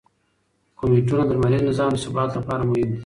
کومیټونه د لمریز نظام د ثبات لپاره مهم دي.